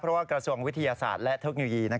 เพราะว่ากระทรวงวิทยาศาสตร์และเทคโนโลยี